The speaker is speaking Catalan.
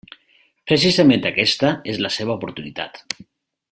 Precisament aquesta és la seva oportunitat.